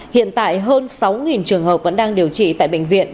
hiện tại hơn sáu trường hợp vẫn đang điều trị tại bệnh viện